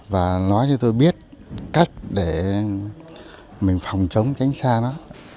và nói cho tôi biết cách để mình phòng chống tránh xa nó